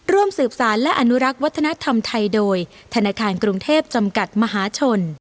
ร่วมสืบสารและอนุรักษ์วัฒนธรรมไทยโดยธนาคารกรุงเทพจำกัดมหาชน